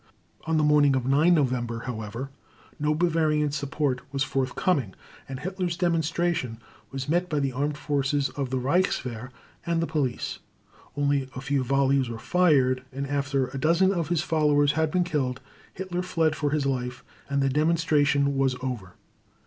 On the morning of 9 November, however, no Bavarian support was forthcoming, and Hitler's demonstration was met by the armed forces of the Reichswehr and the police. Only a few volleys were fired; and after a dozen of his followers had been killed, Hitler fled for his life, and the demonstration was over.